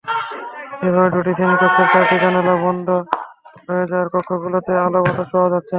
এভাবে দুটি শ্রেণীকক্ষের চারটি জানালা বন্ধ হয়ে যাওয়ায় কক্ষগুলোতে আলো-বাতাস পাওয়া যাচ্ছে না।